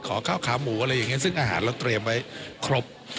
ข้าวขาหมูอะไรอย่างนี้ซึ่งอาหารเราเตรียมไว้ครบ